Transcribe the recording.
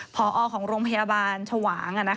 พอของโรงพยาบาลชวาง